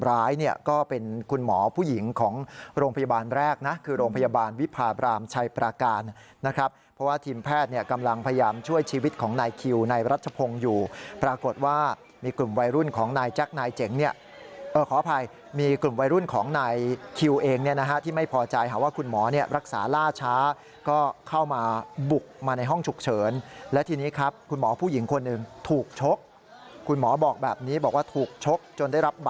โรงพยาบาลแรกนะคือโรงพยาบาลวิพาบรามชัยปราการนะครับเพราะว่าทีมแพทย์กำลังพยายามช่วยชีวิตของนายคิวนายรัชพงศ์อยู่ปรากฏว่ามีกลุ่มวัยรุ่นของนายจั๊กนายเจ๋งเนี่ยเออขออภัยมีกลุ่มวัยรุ่นของนายคิวเองเนี่ยนะฮะที่ไม่พอใจว่าคุณหมอเนี่ยรักษาล่าช้าก็เข้ามาบุกมาในห้องฉ